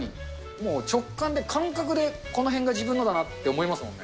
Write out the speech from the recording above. もう直感で、感覚で、この辺が自分のだなって思いますもんね。